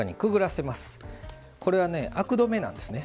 これはねアク止めなんですね。